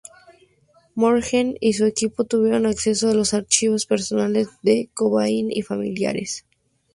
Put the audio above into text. Morgen y su equipo tuvieron acceso a los archivos personales de Cobain y familiares.